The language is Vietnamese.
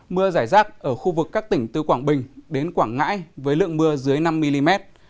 mưa giải rác ở khu vực các tỉnh từ quảng bình đến quảng ngãi với lượng mưa dưới năm mm